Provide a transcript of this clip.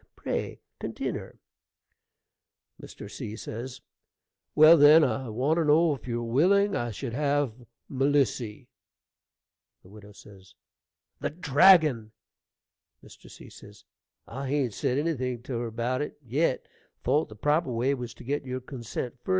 Pray continner. Mr. C. Well, then, I want to know if you're willing I should have Melissy. Widow The dragon! Mr. C. I hain't said anything to her about it yet, thought the proper way was to get your consent first.